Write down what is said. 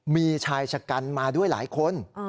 มีชายชะกันมาด้วยหลายคน